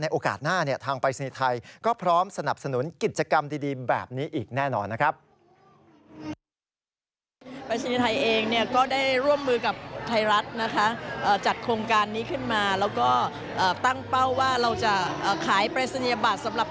โอกาสหน้าเนี่ยทางปรายศนีย์ไทยก็พร้อมสนับสนุนกิจกรรมดีแบบนี้อีกแน่นอนนะครับ